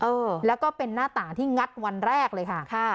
เออแล้วก็เป็นหน้าต่างที่งัดวันแรกเลยค่ะค่ะ